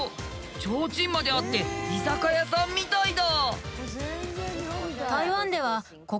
ちょうちんまであって居酒屋さんみたいだ。